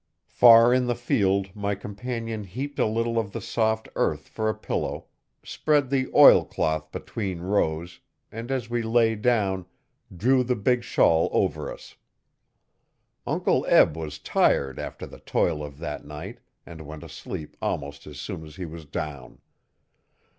Far in the field my companion heaped a little of the soft earth for a pillow, spread the oil cloth between rows and, as we lay down, drew the big shawl over us. Uncle Eb was tired after the toil of that night and went asleep almost as soon as he was down.